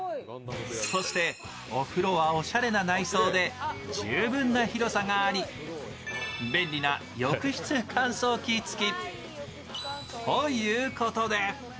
そして、お風呂はおしゃれな内装で十分な広さがあり便利な浴室乾燥機付き。